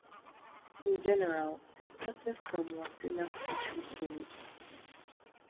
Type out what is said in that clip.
In general it is accessed from wasilla fishhook road.